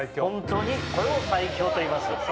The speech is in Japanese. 本当にこれを最強といいます。